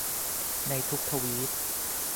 ในทุกทวีต